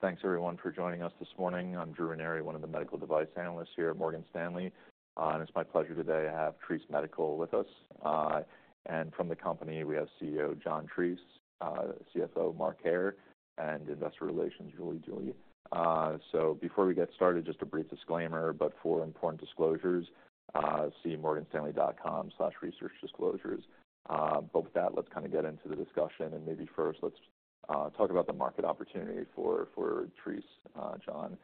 Thanks everyone for joining us this morning. I'm Drew Ranieri, one of the medical device analysts here at Morgan Stanley. It's my pleasure today to have Treace Medical with us. From the company, we have CEO John Treace, CFO Mark Hair, and Investor Relations Julie Dewey. Before we get started, just a brief disclaimer, but for important disclosures, see morganstanley.com/researchdisclosures. With that, let's kind of get into the discussion, and maybe first, let's talk about the market opportunity for Treace, John.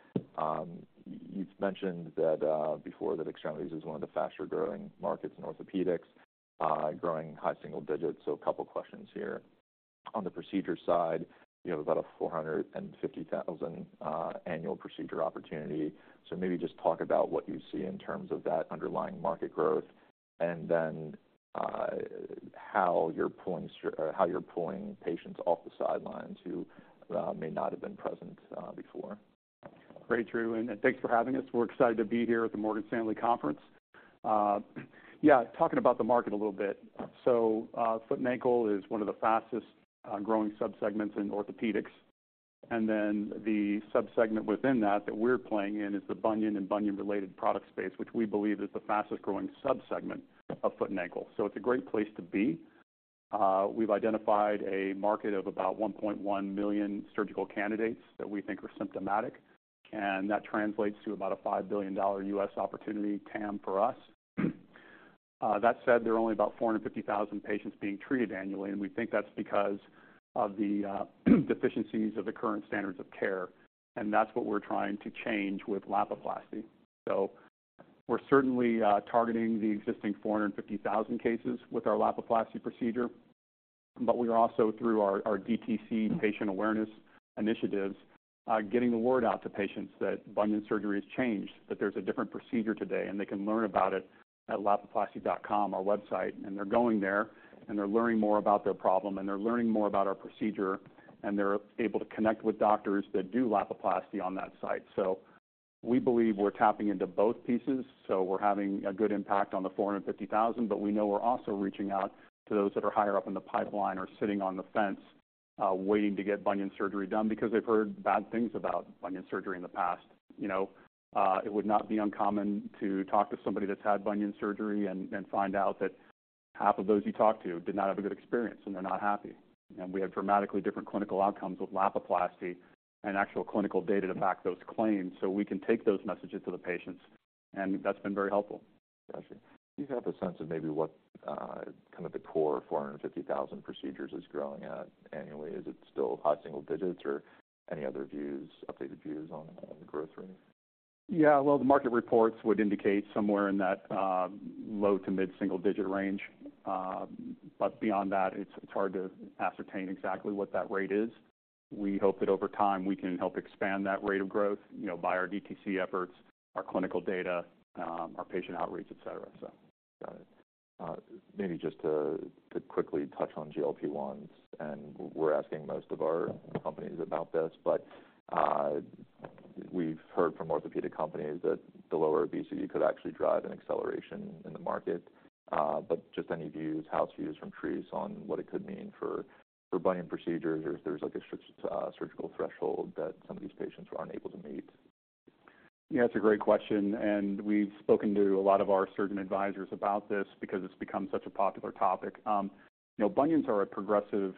You've mentioned that before that extremities is one of the faster-growing markets in orthopedics, growing high single digits. So a couple questions here. On the procedure side, you have about a 450,000 annual procedure opportunity. So maybe just talk about what you see in terms of that underlying market growth, and then how you're pulling patients off the sidelines who may not have been present before. Great, Drew, and thanks for having us. We're excited to be here at the Morgan Stanley conference. Yeah, talking about the market a little bit. So, foot and ankle is one of the fastest growing subsegments in orthopedics. And then the subsegment within that that we're playing in is the bunion and bunion-related product space, which we believe is the fastest growing subsegment of foot and ankle. So it's a great place to be. We've identified a market of about 1.1 million surgical candidates that we think are symptomatic, and that translates to about a $5 billion US opportunity TAM for us. That said, there are only about 450,000 patients being treated annually, and we think that's because of the deficiencies of the current standards of care, and that's what we're trying to change with Lapiplasty. So we're certainly targeting the existing 450,000 cases with our Lapiplasty procedure. But we are also, through our, our DTC patient awareness initiatives, getting the word out to patients that bunion surgery has changed, that there's a different procedure today, and they can learn about it at lapiplasty.com, our website. And they're going there, and they're learning more about their problem, and they're learning more about our procedure, and they're able to connect with doctors that do Lapiplasty on that site. So we believe we're tapping into both pieces, so we're having a good impact on the 450,000, but we know we're also reaching out to those that are higher up in the pipeline or sitting on the fence, waiting to get bunion surgery done because they've heard bad things about bunion surgery in the past. You know, it would not be uncommon to talk to somebody that's had bunion surgery and, and find out that half of those you talked to did not have a good experience, and they're not happy. We have dramatically different clinical outcomes with Lapiplasty and actual clinical data to back those claims, so we can take those messages to the patients, and that's been very helpful. Gotcha. Do you have a sense of maybe what kind of the core 450,000 procedures is growing at annually? Is it still high single digits or any other views, updated views on, on the growth rate? Yeah, well, the market reports would indicate somewhere in that low to mid single digit range. But beyond that, it's hard to ascertain exactly what that rate is. We hope that over time, we can help expand that rate of growth, you know, by our DTC efforts, our clinical data, our patient outreach, et cetera, so. Got it. Maybe just to quickly touch on GLP-1s, and we're asking most of our companies about this, but we've heard from orthopedic companies that the lower obesity could actually drive an acceleration in the market. But just any views, house views from Treace on what it could mean for bunion procedures, or if there's, like, a surgical threshold that some of these patients are unable to meet. Yeah, it's a great question, and we've spoken to a lot of our surgeon advisors about this because it's become such a popular topic. You know, bunions are a progressive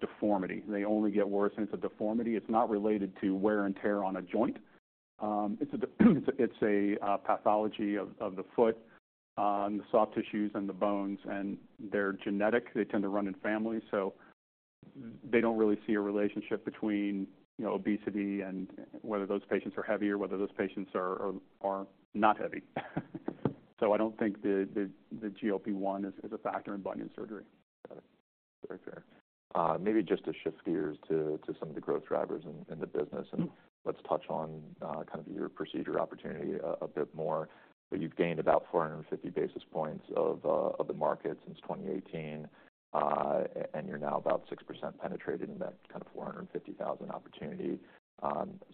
deformity. They only get worse, and it's a deformity. It's not related to wear and tear on a joint. It's a pathology of the foot, the soft tissues and the bones, and they're genetic. They tend to run in families, so they don't really see a relationship between, you know, obesity and whether those patients are heavy or whether those patients are not heavy. So I don't think the GLP-1 is a factor in bunion surgery. Got it. Fair, fair. Maybe just to shift gears to some of the growth drivers in the business- Let's touch on kind of your procedure opportunity a bit more. But you've gained about 450 basis points of the market since 2018, and you're now about 6% penetrated in that kind of 450,000 opportunity.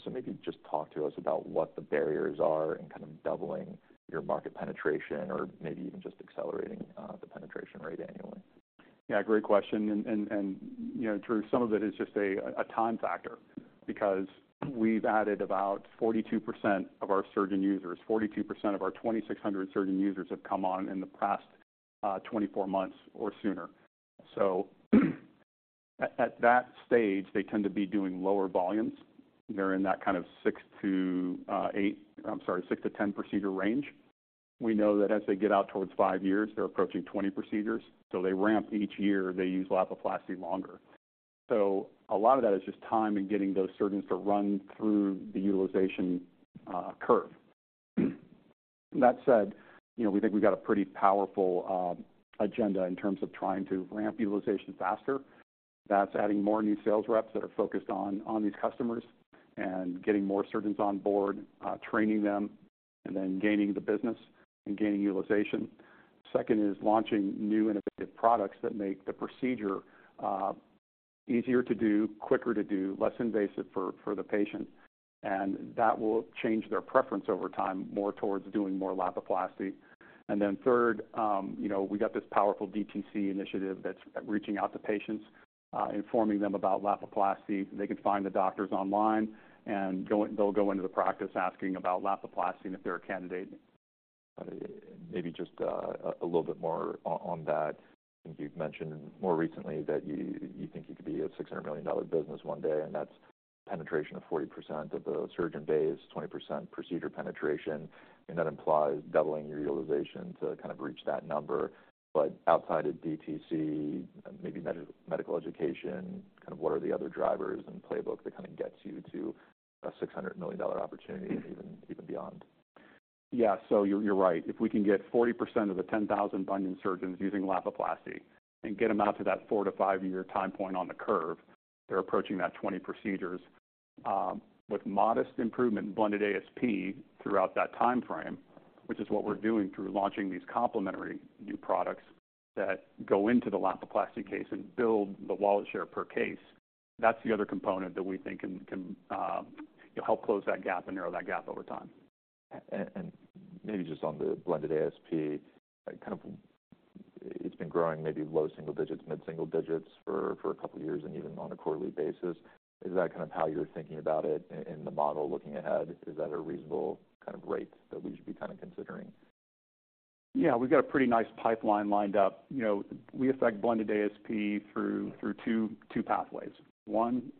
So maybe just talk to us about what the barriers are in kind of doubling your market penetration or maybe even just accelerating the penetration rate annually. Yeah, great question. You know, Drew, some of it is just a time factor because we've added about 42% of our surgeon users. 42% of our 2,600 surgeon users have come on in the past 24 months or sooner. So at that stage, they tend to be doing lower volumes. They're in that kind of 6-10 procedure range. We know that as they get out towards 5 years, they're approaching 20 procedures, so they ramp each year, they use Lapiplasty longer. So a lot of that is just time and getting those surgeons to run through the utilization curve. That said, you know, we think we've got a pretty powerful agenda in terms of trying to ramp utilization faster. That's adding more new sales reps that are focused on these customers and getting more surgeons on board, training them, and then gaining the business and gaining utilization. Second is launching new innovative products that make the procedure easier to do, quicker to do, less invasive for the patient and that will change their preference over time, more towards doing more Lapiplasty. Then third, you know, we got this powerful DTC initiative that's reaching out to patients, informing them about Lapiplasty. They can find the doctors online, they'll go into the practice asking about Lapiplasty, and if they're a candidate. Maybe just a little bit more on that. I think you've mentioned more recently that you think you could be a $600 million business one day, and that's penetration of 40% of the surgeon base, 20% procedure penetration, and that implies doubling your utilization to kind of reach that number. But outside of DTC, maybe medical education, kind of what are the other drivers and playbook that kind of gets you to a $600 million opportunity, even beyond? Yeah. So you're right. If we can get 40% of the 10,000 bunion surgeons using Lapiplasty and get them out to that 4-5-year time point on the curve, they're approaching that 20 procedures. With modest improvement in blended ASP throughout that timeframe, which is what we're doing through launching these complementary new products that go into the Lapiplasty case and build the wallet share per case. That's the other component that we think can, you know, help close that gap and narrow that gap over time. And maybe just on the blended ASP, kind of it's been growing maybe low single digits, mid single digits for, for a couple of years and even on a quarterly basis. Is that kind of how you're thinking about it in, in the model looking ahead? Is that a reasonable kind of rate that we should be kind of considering? Yeah, we've got a pretty nice pipeline lined up. You know, we affect blended ASP through two pathways. One,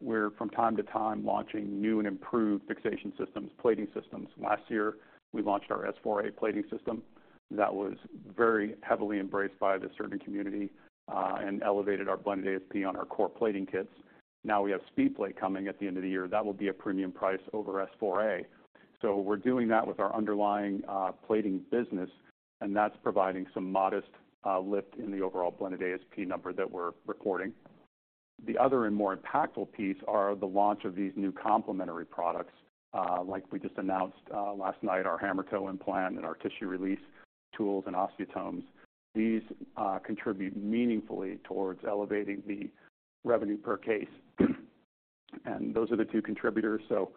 we're from time to time launching new and improved fixation systems, plating systems. Last year, we launched our S4A Plating System. That was very heavily embraced by the surgeon community and elevated our blended ASP on our core plating kits. Now we have SpeedPlate coming at the end of the year. That will be a premium price over S4A. So we're doing that with our underlying plating business, and that's providing some modest lift in the overall blended ASP number that we're recording. The other and more impactful piece are the launch of these new complementary products like we just announced last night, our hammertoe implant and our tissue release tools and osteotomes. These contribute meaningfully towards elevating the revenue per case. Those are the two contributors. So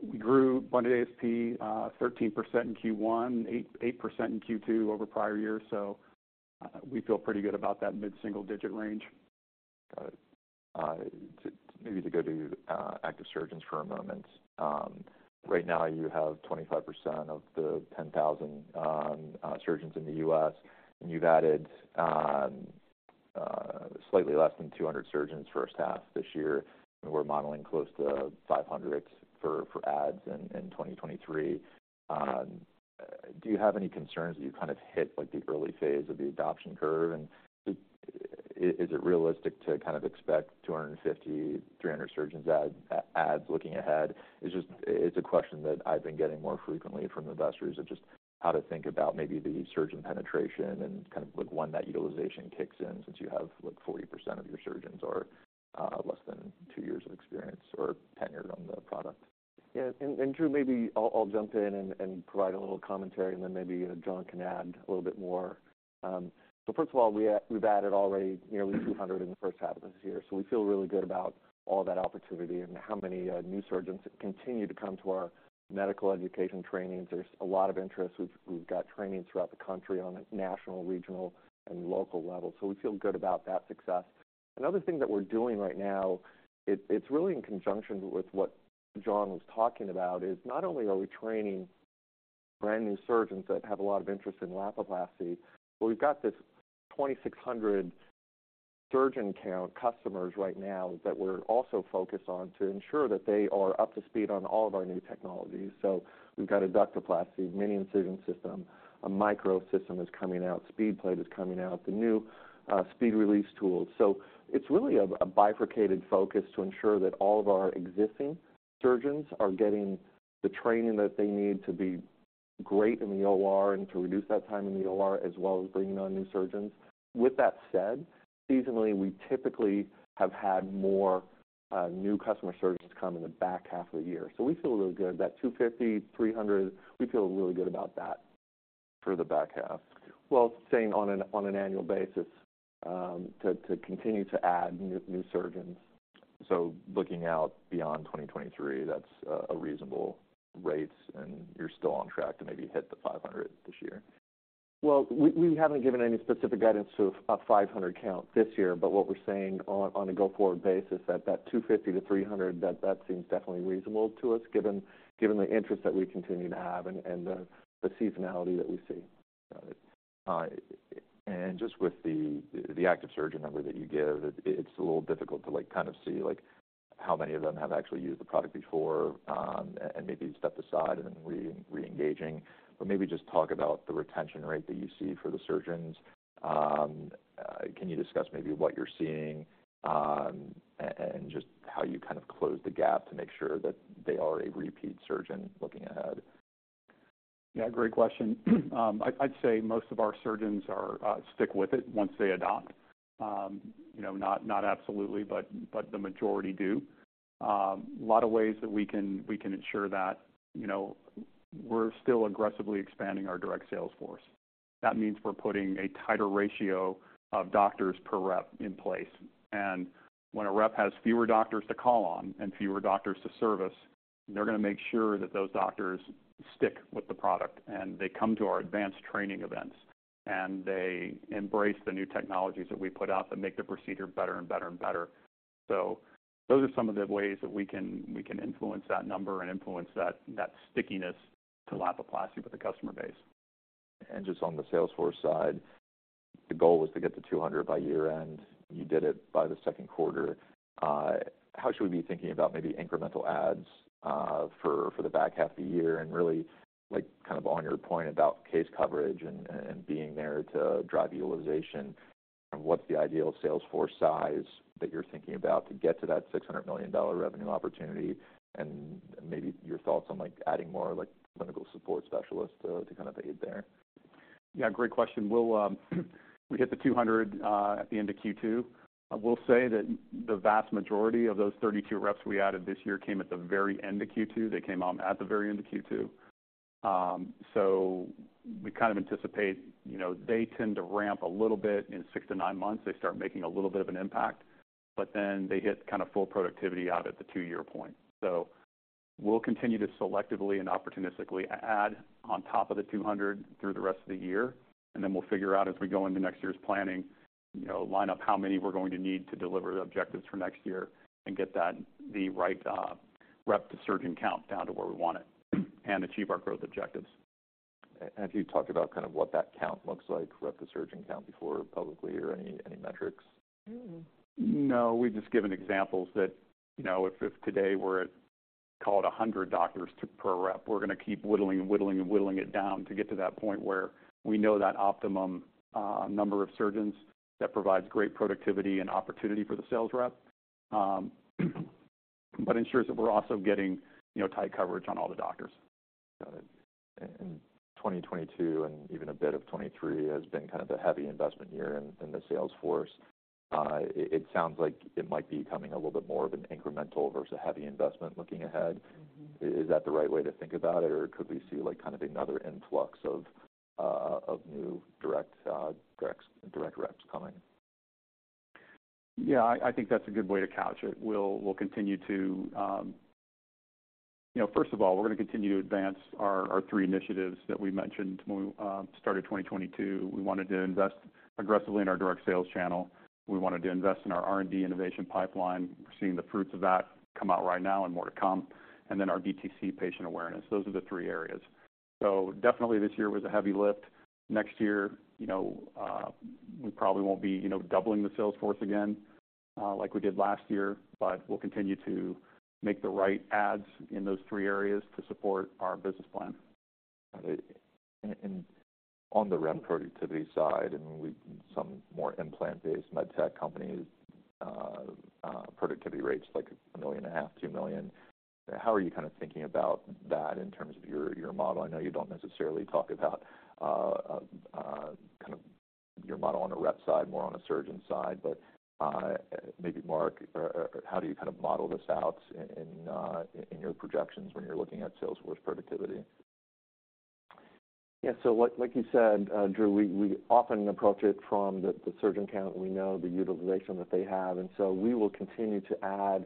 we grew blended ASP 13% in Q1, 8, 8% in Q2 over prior years. So, we feel pretty good about that mid-single-digit range. Got it. Maybe to go to active surgeons for a moment. Right now, you have 25% of the 10,000 surgeons in the US, and you've added slightly less than 200 surgeons first half this year, and we're modeling close to 500 for adds in 2023. Do you have any concerns that you kind of hit, like, the early phase of the adoption curve? And is it realistic to kind of expect 250-300 surgeons added looking ahead? It's just, it's a question that I've been getting more frequently from investors of just how to think about maybe the surgeon penetration and kind of like when that utilization kicks in, since you have, like, 40% of your surgeons are less than two years of experience or tenured on the product. Yeah, and Drew, maybe I'll jump in and provide a little commentary, and then maybe John can add a little bit more. So first of all, we've added already nearly 200 in the first half of this year, so we feel really good about all that opportunity and how many new surgeons continue to come to our medical education trainings. There's a lot of interest. We've got training throughout the country on a national, regional, and local level, so we feel good about that success. Another thing that we're doing right now, it's really in conjunction with what John was talking about, is not only are we training brand-new surgeons that have a lot of interest in Lapiplasty, but we've got this 2,600 surgeon count customers right now that we're also focused on to ensure that they are up to speed on all of our new technologies. So we've got an Adductoplasty, Mini-Incision System, a Micro system is coming out, SpeedPlate is coming out, the new SpeedRelease tools. So it's really a bifurcated focus to ensure that all of our existing surgeons are getting the training that they need to be great in the OR and to reduce that time in the OR, as well as bringing on new surgeons. With that said, seasonally, we typically have had more new customer surgeons come in the back half of the year. So we feel really good. That 250-300, we feel really good about that. For the back half? Well, saying on an annual basis to continue to add new surgeons. Looking out beyond 2023, that's a reasonable rate, and you're still on track to maybe hit the 500 this year? Well, we haven't given any specific guidance to a 500 count this year, but what we're saying on a go-forward basis, that 250-300, that seems definitely reasonable to us, given the interest that we continue to have and the seasonality that we see. Got it. And just with the active surgeon number that you give, it's a little difficult to, like, kind of see, like, how many of them have actually used the product before, and maybe stepped aside and re-engaging. But maybe just talk about the retention rate that you see for the surgeons. Can you discuss maybe what you're seeing, and just how you kind of close the gap to make sure that they are a repeat surgeon looking ahead? Yeah, great question. I'd say most of our surgeons are stick with it once they adopt. You know, not absolutely, but the majority do. A lot of ways that we can ensure that, you know, we're still aggressively expanding our direct sales force. That means we're putting a tighter ratio of doctors per rep in place. And when a rep has fewer doctors to call on and fewer doctors to service, they're gonna make sure that those doctors stick with the product, and they come to our advanced training events, and they embrace the new technologies that we put out that make the procedure better and better and better. So those are some of the ways that we can influence that number and influence that stickiness to Lapiplasty with the customer base. Just on the sales force side, the goal was to get to 200 by year-end. You did it by the second quarter. How should we be thinking about maybe incremental adds for the back half of the year? Really, like, kind of on your point about case coverage and being there to drive utilization, what's the ideal sales force size that you're thinking about to get to that $600 million revenue opportunity? Maybe your thoughts on, like, adding more, like, clinical support specialists to kind of aid there. Yeah, great question. We'll, we hit the 200, at the end of Q2. I will say that the vast majority of those 32 reps we added this year came at the very end of Q2. They came on at the very end of Q2. So we kind of anticipate, you know, they tend to ramp a little bit. In 6-9 months, they start making a little bit of an impact, but then they hit kind of full productivity out at the 2-year point. So we'll continue to selectively and opportunistically add on top of the 200 through the rest of the year, and then we'll figure out as we go into next year's planning, you know, line up how many we're going to need to deliver the objectives for next year and get that, the right, rep-to-surgeon count down to where we want it and achieve our growth objectives. Have you talked about kind of what that count looks like, rep-to-surgeon count, before publicly or any metrics? No. We've just given examples that, you know, if today we're at, call it 100 doctors to per rep, we're gonna keep whittling and whittling and whittling it down to get to that point where we know that optimum number of surgeons that provides great productivity and opportunity for the sales rep, but ensures that we're also getting, you know, tight coverage on all the doctors. Got it. In 2022 and even a bit of 2023 has been kind of the heavy investment year in the sales force. It sounds like it might be becoming a little bit more of an incremental versus a heavy investment looking ahead. Mm-hmm. Is that the right way to think about it, or could we see, like, kind of another influx of new direct reps coming? Yeah, I think that's a good way to couch it. We'll continue to, you know, first of all, we're gonna continue to advance our three initiatives that we mentioned when we started 2022. We wanted to invest aggressively in our direct sales channel. We wanted to invest in our R&D innovation pipeline. We're seeing the fruits of that come out right now and more to come. And then our DTC patient awareness. Those are the three areas. So definitely this year was a heavy lift. Next year, you know, we probably won't be, you know, doubling the sales force again, like we did last year, but we'll continue to make the right adds in those three areas to support our business plan. Got it. And on the rep productivity side, and we some more implant-based medtech companies, productivity rates, like $1.5 million-$2 million. How are you kind of thinking about that in terms of your model? I know you don't necessarily talk about kind of your model on the rep side, more on the surgeon side, but maybe, Mark, how do you kind of model this out in your projections when you're looking at sales force productivity? Yeah. So like you said, Drew, we often approach it from the surgeon count. We know the utilization that they have, and so we will continue to add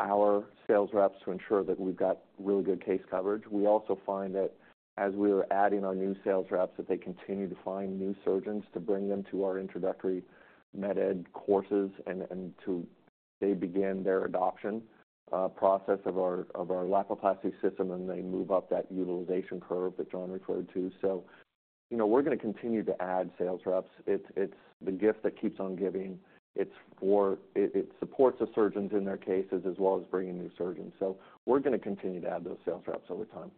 our sales reps to ensure that we've got really good case coverage. We also find that as we are adding our new sales reps, that they continue to find new surgeons to bring them to our introductory med ed courses, and they begin their adoption process of our Lapiplasty system, and they move up that utilization curve that John referred to. So, you know, we're gonna continue to add sales reps. It's the gift that keeps on giving. It supports the surgeons in their cases, as well as bringing new surgeons. So we're gonna continue to add those sales reps over time.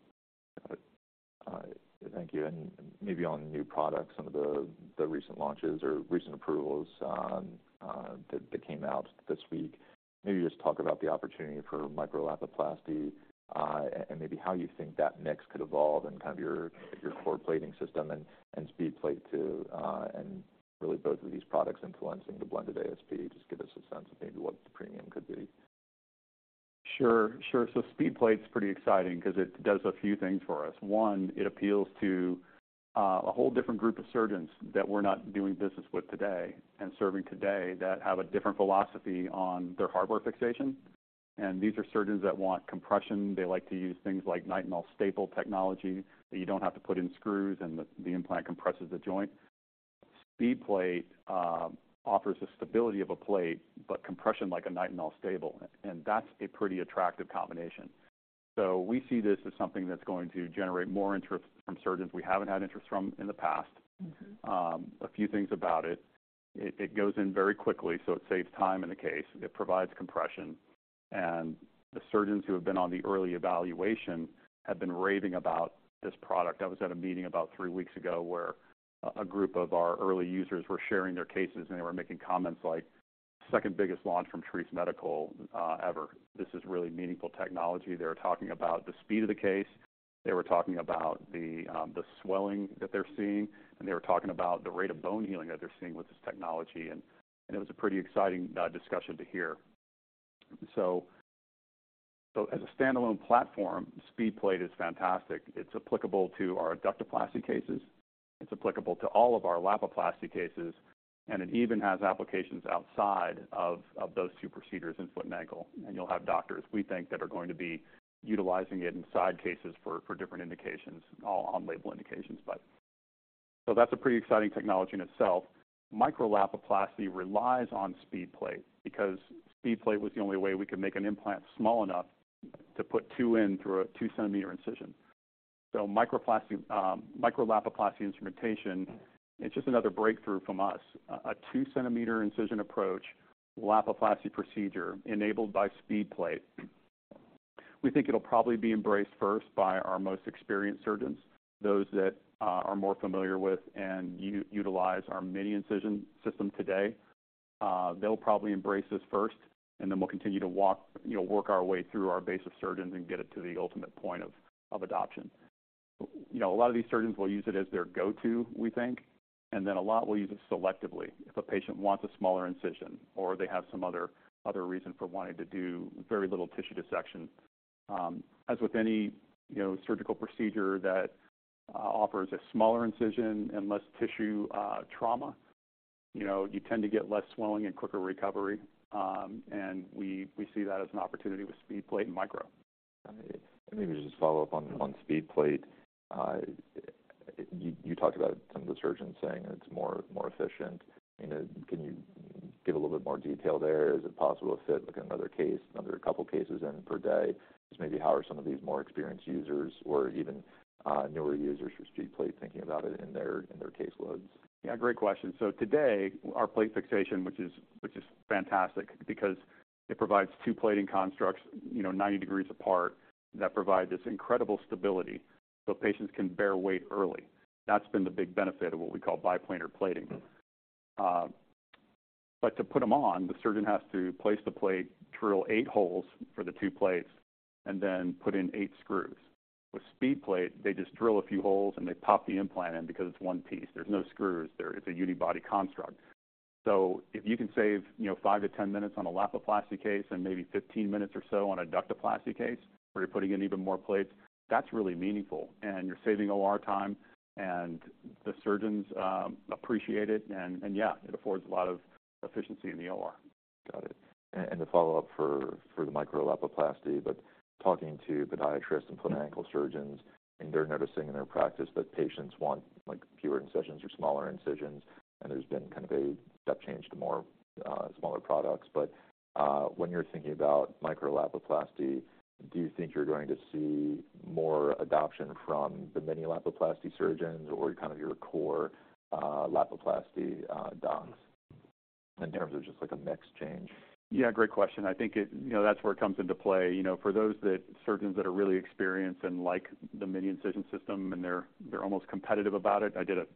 Thank you, and maybe on new products, some of the recent launches or recent approvals that came out this week. Maybe just talk about the opportunity for Micro-Lapiplasty, and maybe how you think that mix could evolve and kind of your core plating system and SpeedPlate, too and really both of these products influencing the blended ASP. Just give us a sense of maybe what the premium could be. Sure, sure. So SpeedPlate's pretty exciting because it does a few things for us. One, it appeals to a whole different group of surgeons that we're not doing business with today and serving today, that have a different philosophy on their hardware fixation. And these are surgeons that want compression. They like to use things like Nitinol staple technology, that you don't have to put in screws, and the implant compresses the joint. SpeedPlate offers the stability of a plate, but compression like a Nitinol staple, and that's a pretty attractive combination. So we see this as something that's going to generate more interest from surgeons we haven't had interest from in the past. Mm-hmm. A few things about it: It goes in very quickly, so it saves time in the case. It provides compression, and the surgeons who have been on the early evaluation have been raving about this product. I was at a meeting about three weeks ago, where a group of our early users were sharing their cases, and they were making comments like, "Second biggest launch from Treace Medical, ever. This is really meaningful technology." They were talking about the speed of the case. They were talking about the swelling that they're seeing, and they were talking about the rate of bone healing that they're seeing with this technology, and it was a pretty exciting discussion to hear. So as a standalone platform, SpeedPlate is fantastic. It's applicable to our Adductoplasty cases, it's applicable to all of our Lapiplasty cases, and it even has applications outside of, of those two procedures in foot and ankle. You'll have doctors, we think, that are going to be utilizing it in side cases for, for different indications, all on-label indications. But so that's a pretty exciting technology in itself. Micro-Lapiplasty relies on SpeedPlate because SpeedPlate was the only way we could make an implant small enough to put two in through a 2-centimeter incision. So Micro-Lapiplasty instrumentation, it's just another breakthrough from us, a 2-centimeter incision approach, Lapiplasty procedure enabled by SpeedPlate. We think it'll probably be embraced first by our most experienced surgeons, those that are more familiar with and utilize our Mini-Incision System today. They'll probably embrace this first, and then we'll continue to walk, you know, work our way through our base of surgeons and get it to the ultimate point of adoption. You know, a lot of these surgeons will use it as their go-to, we think, and then a lot will use it selectively. If a patient wants a smaller incision or they have some other reason for wanting to do very little tissue dissection. As with any, you know, surgical procedure that offers a smaller incision and less tissue trauma, you know, you tend to get less swelling and quicker recovery. And we see that as an opportunity with SpeedPlate and Micro. Maybe just follow up on SpeedPlate. You talked about some of the surgeons saying it's more efficient. You know, can you give a little bit more detail there? Is it possible to fit, like, another case, another couple cases in per day? Just maybe how are some of these more experienced users or even newer users for SpeedPlate thinking about it in their case loads? Yeah, great question. So today, our plate fixation, which is, which is fantastic because it provides 2 plating constructs, you know, 90 degrees apart, that provide this incredible stability so patients can bear weight early. That's been the big benefit of what we call Biplanar Plating. But to put them on, the surgeon has to place the plate, drill 8 holes for the 2 plates, and then put in 8 screws. With SpeedPlate, they just drill a few holes, and they pop the implant in because it's 1 piece. There's no screws there. It's a unibody construct. So if you can save, you know, 5-10 minutes on a Lapiplasty case and maybe 15 minutes or so on a Adductoplasty case, where you're putting in even more plates, that's really meaningful, and you're saving OR time, and the surgeons appreciate it. Yeah, it affords a lot of efficiency in the OR. Got it. And to follow up for the Micro-Lapiplasty, but talking to podiatrists and foot and ankle surgeons, and they're noticing in their practice that patients want, like, fewer incisions or smaller incisions, and there's been kind of a step change to more smaller products. But when you're thinking about Micro-Lapiplasty, do you think you're going to see more adoption from the mini Lapiplasty surgeons or kind of your core Lapiplasty docs in terms of just, like, a mix change? Yeah, great question. I think it. You know, that's where it comes into play. You know, for those surgeons that are really experienced and like the Mini-Incision System, and they're, they're almost competitive about it, I did a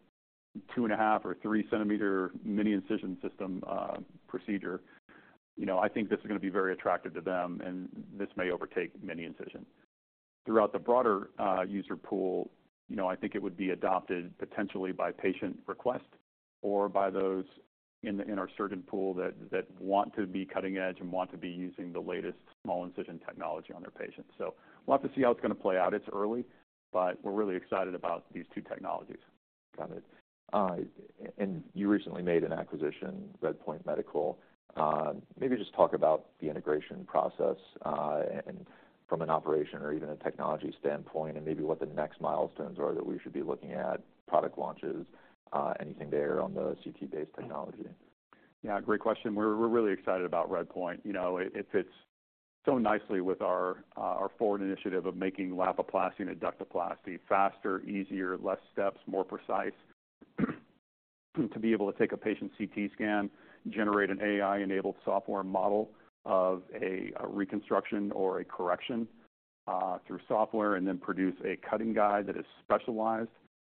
2.5 or 3-centimeter Mini-Incision System procedure. You know, I think this is going to be very attractive to them, and this may overtake mini incisions. Throughout the broader user pool, you know, I think it would be adopted potentially by patient request or by those in the, in our surgeon pool that, that want to be cutting edge and want to be using the latest small incision technology on their patients. So we'll have to see how it's going to play out. It's early, but we're really excited about these two technologies. Got it. And you recently made an acquisition, RedPoint Medical. Maybe just talk about the integration process, and from an operation or even a technology standpoint, and maybe what the next milestones are that we should be looking at, product launches, anything there on the CT-based technology? Yeah, great question. We're really excited about RedPoint. You know, it fits so nicely with our forward initiative of making Lapiplasty and Adductoplasty faster, easier, less steps, more precise. To be able to take a patient's CT scan, generate an AI-enabled software model of a reconstruction or a correction through software, and then produce a cutting guide that is specialized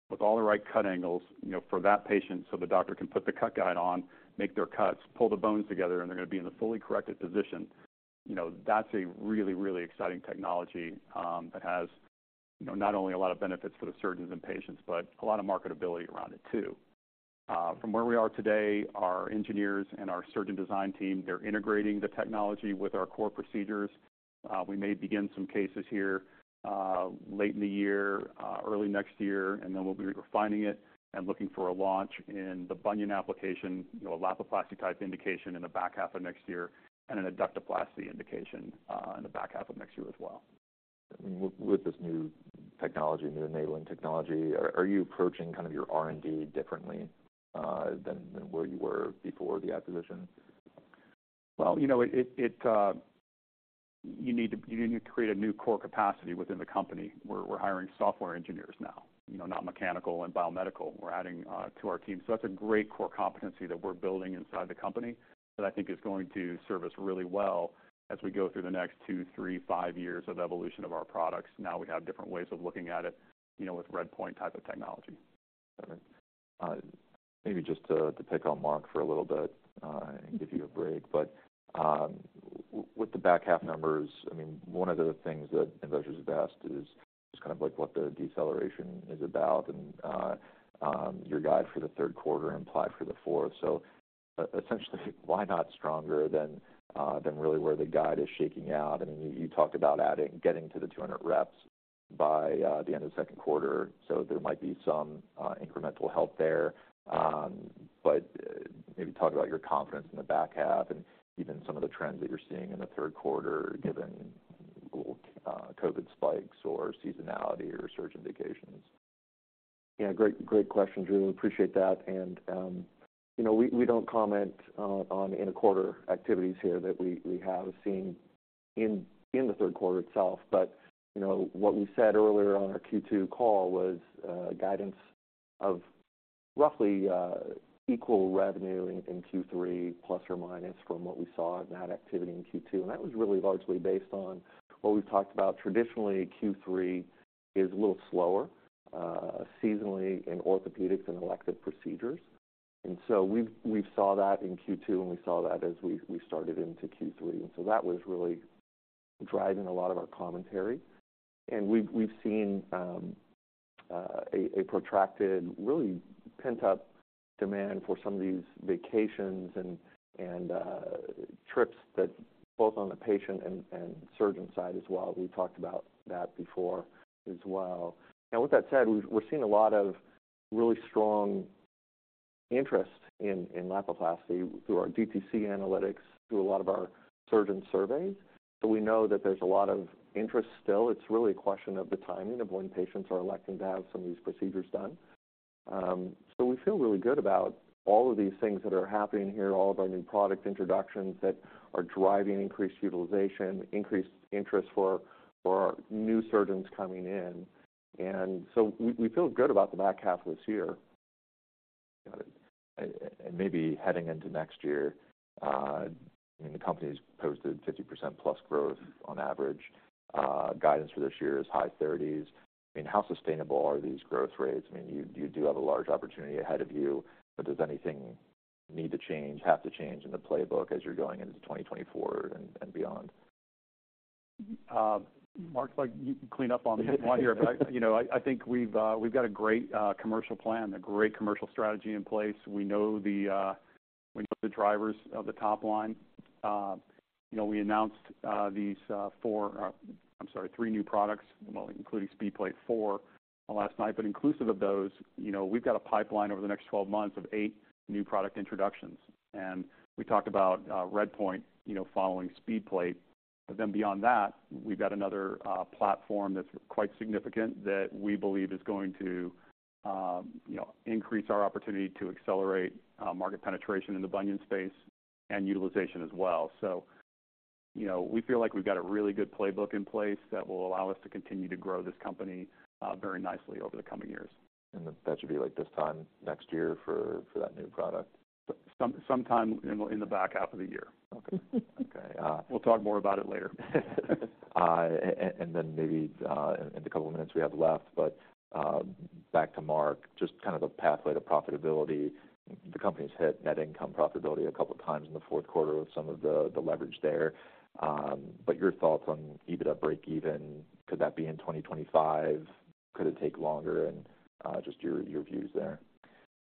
with all the right cut angles, you know, for that patient, so the doctor can put the cut guide on, make their cuts, pull the bones together, and they're going to be in a fully corrected position. You know, that's a really, really exciting technology that has, you know, not only a lot of benefits for the surgeons and patients, but a lot of marketability around it, too. From where we are today, our engineers and our surgeon design team, they're integrating the technology with our core procedures. We may begin some cases here late in the year, early next year, and then we'll be refining it and looking for a launch in the bunion application, you know, a Lapiplasty type indication in the back half of next year and an Adductoplasty indication in the back half of next year as well. With this new technology, new enabling technology, are you approaching kind of your R&D differently than where you were before the acquisition? Well, you know, you need to create a new core capacity within the company. We're hiring software engineers now, you know, not mechanical and biomedical. We're adding to our team. So that's a great core competency that we're building inside the company that I think is going to serve us really well as we go through the next two, three, five years of evolution of our products. Now we have different ways of looking at it, you know, with RedPoint type of technology. Got it. Maybe just to pick on Mark for a little bit and give you a break. But with the back half numbers, I mean, one of the things that investors have asked is just kind of like what the deceleration is about and your guide for the third quarter implied for the fourth. Essentially, why not stronger than really where the guide is shaking out? I mean, you talked about adding, getting to the 200 reps by the end of the second quarter, so there might be some incremental help there. But maybe talk about your confidence in the back half and even some of the trends that you're seeing in the third quarter, given COVID spikes or seasonality or surgeon vacations. Yeah, great, great question, Drew. Appreciate that. And, you know, we don't comment on inter-quarter activities here that we have seen in the third quarter itself. But, you know, what we said earlier on our Q2 call was guidance of roughly equal revenue in Q3, plus or minus from what we saw in that activity in Q2, and that was really largely based on what we've talked about. Traditionally, Q3 is a little slower seasonally in orthopedics and elective procedures. And so we saw that in Q2, and we saw that as we started into Q3, and so that was really driving a lot of our commentary. And we've seen a protracted, really pent-up demand for some of these vacations and trips that both on the patient and surgeon side as well. We talked about that before as well. Now, with that said, we're seeing a lot of really strong interest in Lapiplasty through our DTC analytics, through a lot of our surgeon surveys, so we know that there's a lot of interest still. It's really a question of the timing of when patients are electing to have some of these procedures done. So we feel really good about all of these things that are happening here, all of our new product introductions that are driving increased utilization, increased interest for new surgeons coming in. And so we feel good about the back half of this year. Got it. And maybe heading into next year, I mean, the company's posted 50%+ growth on average. Guidance for this year is high 30s. I mean, how sustainable are these growth rates? I mean, you do have a large opportunity ahead of you, but does anything need to change, have to change in the playbook as you're going into 2024 and beyond? Mark, like, you can clean up on this one here. But, you know, I think we've got a great commercial plan, a great commercial strategy in place. We know the drivers of the top line. You know, we announced these four, I'm sorry, three new products, well, including SpeedPlate four last night, but inclusive of those, you know, we've got a pipeline over the next 12 months of eight new product introductions, and we talked about RedPoint, you know, following SpeedPlate. But then beyond that, we've got another platform that's quite significant that we believe is going to, you know, increase our opportunity to accelerate market penetration in the bunion space and utilization as well. You know, we feel like we've got a really good playbook in place that will allow us to continue to grow this company very nicely over the coming years. That should be like this time next year for that new product? Sometime in the back half of the year. Okay. Okay. We'll talk more about it later. And then maybe in the couple of minutes we have left, but back to Mark, just kind of a pathway to profitability. The company's hit net income profitability a couple of times in the fourth quarter with some of the leverage there. But your thoughts on EBITDA breakeven, could that be in 2025? Could it take longer? And just your views there.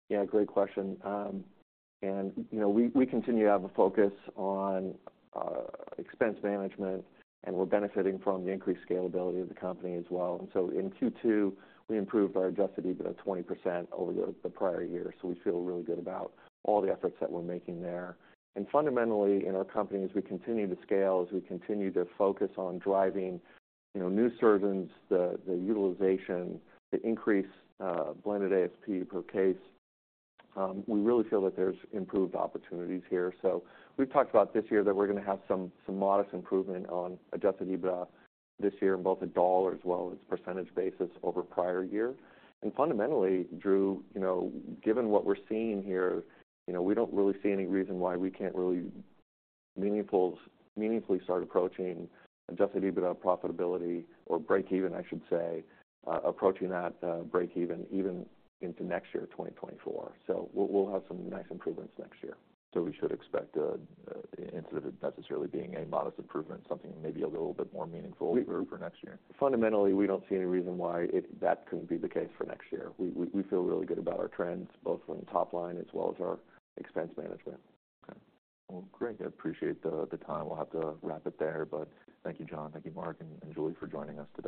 Yeah, great question. You know, we continue to have a focus on expense management, and we're benefiting from the increased scalability of the company as well. And so in Q2, we improved our Adjusted EBITDA 20% over the prior year, so we feel really good about all the efforts that we're making there. And fundamentally, in our company, as we continue to scale, as we continue to focus on driving, you know, new surgeons, the utilization, the increased blended ASP per case, we really feel that there's improved opportunities here. So we've talked about this year that we're gonna have some modest improvement on Adjusted EBITDA this year in both the dollar, as well as percentage basis over prior year. Fundamentally, Drew, you know, given what we're seeing here, you know, we don't really see any reason why we can't really meaningfully start approaching Adjusted EBITDA profitability, or breakeven, I should say, approaching that, breakeven, even into next year, 2024. So we'll have some nice improvements next year. We should expect, instead of it necessarily being a modest improvement, something maybe a little bit more meaningful for next year? Fundamentally, we don't see any reason why it, that couldn't be the case for next year. We feel really good about our trends, both from the top line as well as our expense management. Okay. Well, great. I appreciate the time. We'll have to wrap it there, but thank you, John, thank you, Mark, and Julie, for joining us today.